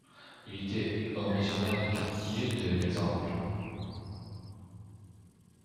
Il était originaire du quartier de l'Eixample.